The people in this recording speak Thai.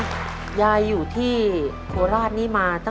คุณยายแจ้วเลือกตอบจังหวัดนครราชสีมานะครับ